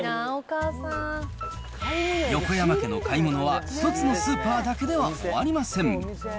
横山家の買い物は、一つのスーパーだけでは終わりません。